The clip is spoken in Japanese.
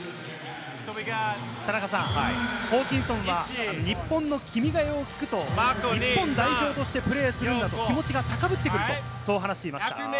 ホーキンソンは日本の『君が代』を聴くと、日本代表としてプレーするんだと気持ちが高まってくると話していました。